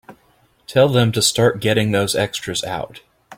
Tell them to start getting those extras out.